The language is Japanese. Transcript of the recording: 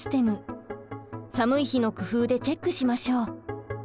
寒い日の工夫でチェックしましょう。